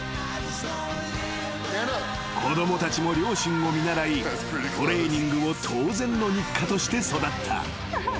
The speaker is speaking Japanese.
［子供たちも両親を見習いトレーニングを当然の日課として育った］